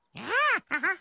アハハッ。